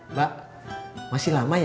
mbak masih lama ya